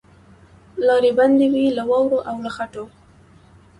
لاري بندي وې له واورو او له خټو